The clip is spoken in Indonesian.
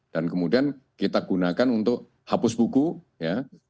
dan kemudian kita gunakan untuk hapus buku ya